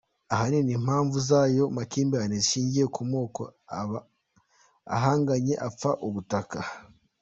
Ahanini impamvu z’ayo makimbirane zishingiye ku moko, aba ahangaye apfa ubutaka.